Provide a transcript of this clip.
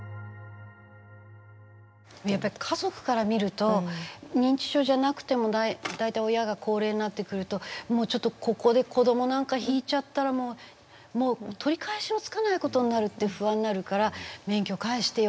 やっぱり家族から見ると認知症じゃなくても大体親が高齢になってくるともうちょっとここで子供なんかひいちゃったらもう取り返しのつかないことになるって不安になるから免許返してよ